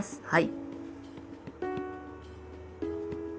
はい。